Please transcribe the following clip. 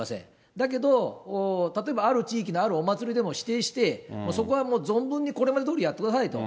だけど、例えばある地域のあるお祭りでも指定して、そこは存分にこれまでどおりやってくださいと。